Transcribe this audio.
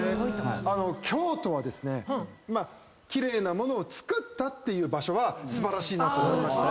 京都はですね奇麗なものを造ったって場所は素晴らしいなと思いました。